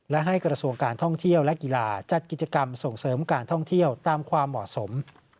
และให้กระทรวงการท่องเที่ยวและกีฬาจัดกิจกรรมส่งเสริมการท่องเที่ยวตามความเหมาะสม